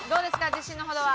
自信のほどは。